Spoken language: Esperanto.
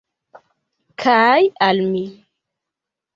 Kaj al mi.